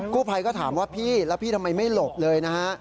ผู้ภัยก็ถามว่าพี่แล้วพี่ทำไมไม่หลบเลยนะฮะ